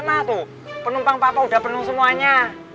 ma tuh penumpang papa udah penuh semuanya